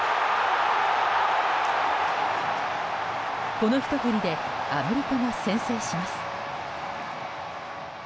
このひと振りでアメリカが先制します。